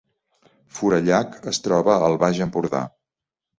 Forallac es troba al Baix Empordà